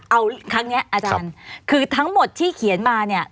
เอาครั้งนี้อาจารย์คือทั้งหมดที่เขียนมาเนี่ย